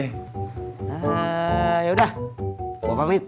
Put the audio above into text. hah yaudah gua pamit